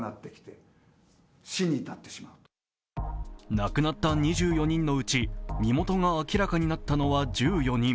亡くなった２４人のうち身元が明らかになったのは１４人。